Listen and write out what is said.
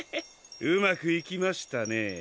うまくいきましたね。